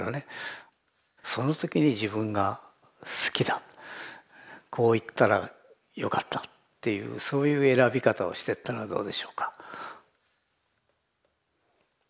その時に自分が好きだこういったらよかったっていうそういう選び方をしてったらどうでしょうか？